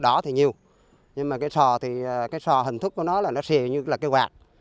đó thì nhiều nhưng mà cái sò thì cái sò hình thức của nó là nó xì như là cái quạt